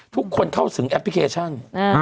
ทุกคนเข้าถึงแอปพลิเคชัน